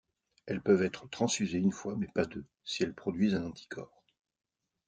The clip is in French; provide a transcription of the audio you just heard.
Elles peuvent être transfusées une fois, mais pas deux si elles produisent un anticorps.